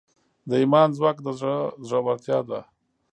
د ایمان ځواک د زړه زړورتیا ده.